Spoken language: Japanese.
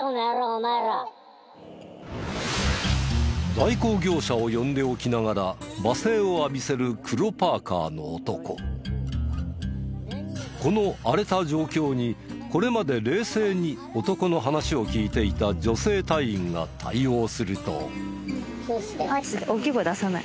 代行業者を呼んでおきながら罵声を浴びせるこの荒れた状況にこれまで冷静に男の話を聞いていた女性隊員が対応すると。